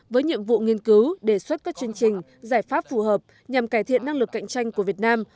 với nhiệm vụ nghiên cứu đề xuất các chương trình giải pháp phù hợp nhằm cải thiện năng lực cạnh tranh của việt nam